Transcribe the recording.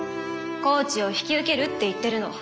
コーチを引き受けるって言ってるの。